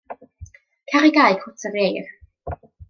Cer i gau cwt yr ieir.